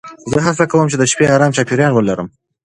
زه هڅه کوم چې د شپې ارام چاپېریال ولرم.